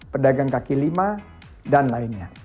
pedagang kaki lima dan lainnya